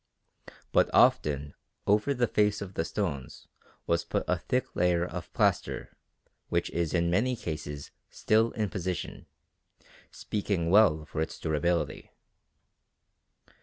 But often over the face of the stones was put a thick layer of plaster which is in many cases still in position, speaking well for its durability.